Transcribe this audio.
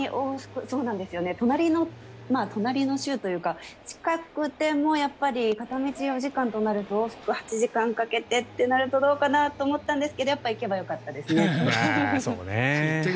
隣の州というか近くてもやっぱり片道４時間となると往復８時間かけてとなるとどうかなと思ったんですが行けばよかったですね。